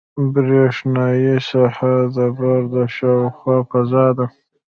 برېښنایي ساحه د بار د شاوخوا فضا ده.